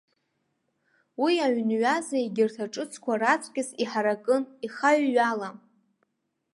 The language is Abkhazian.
Уи аҩн ҩаза егьырҭ аҿыцқәа раҵкыс иҳаракын, ихаҩҩала.